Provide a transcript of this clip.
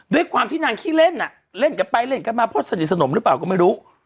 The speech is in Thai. ด้วยความที่นางขี้เล่นเล่นกันไปเล่นกันมาเพราะสนิทสนมหรือเปล่าก็ไม่รู้